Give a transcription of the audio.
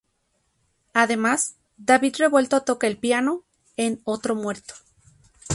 Además, David Revuelto toca el piano en "Otro muerto".